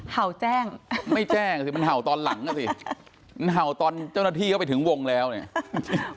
เห่าแจ้งไม่แจ้งสิมันเห่าตอนหลังอ่ะสิมันเห่าตอนเจ้าหน้าที่เข้าไปถึงวงแล้วเนี่ย